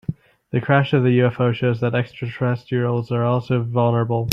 The crash of the UFO shows that extraterrestrials are also vulnerable.